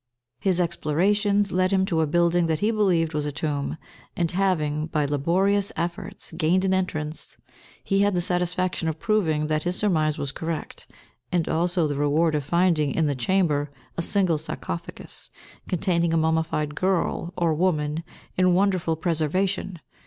His explorations led him to a building that he believed was a tomb; and having, by laborious efforts, gained an entrance, he had the satisfaction of proving that his surmise was correct, and also the reward of finding in the chamber a single sarcophagus, containing a mummified girl, or woman, in wonderful preservation.